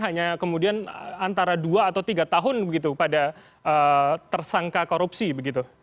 hanya kemudian antara dua atau tiga tahun begitu pada tersangka korupsi begitu